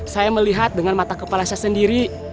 saya melihat dengan mata kepala saya sendiri